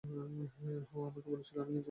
ও আমাকে বলেছিল যে আমি খুব সুন্দর।